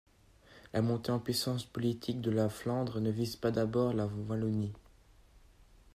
La montée en puissance politique de la Flandre ne vise pas d'abord la Wallonie.